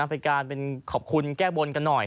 เป็นการเป็นขอบคุณแก้บนกันหน่อย